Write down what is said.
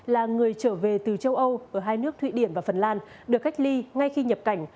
là người trở về từ châu âu ở hai nước thụy điển và phần lan được cách ly ngay khi nhập cảnh